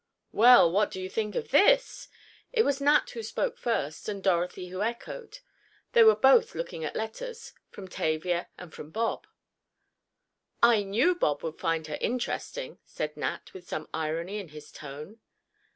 "Well, what do you think of this!" It was Nat who spoke first, and Dorothy who echoed. They were both looking at letters—from Tavia and from Bob. "I knew Bob would find her interesting," said Nat, with some irony in his tone.